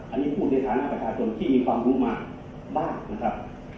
อันนี้พูดในฐานะประชาชนที่มีความรู้มาบ้างนะครับ